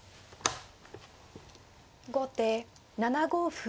後手７五歩。